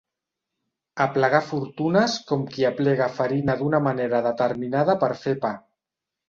Aplegar fortunes com qui aplega farina d'una manera determinada per fer pa.